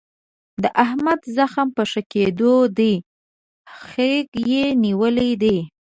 د احمد زخم په ښه کېدو دی. خیګ یې نیولی دی.